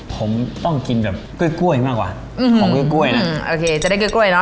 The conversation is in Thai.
ผมต้องกินแบบกล้วยกล้วยมากกว่าอืมของกล้วยกล้วยนะโอเคจะได้กล้วยกล้วยเนอ